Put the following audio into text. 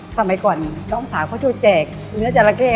สมัยก่อนน้องสาวเขาช่วยแจกเนื้อจราเข้